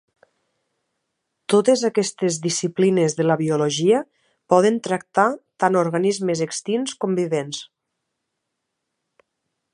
Totes aquestes disciplines de la biologia poden tractar tant organismes extints com vivents.